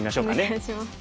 お願いします。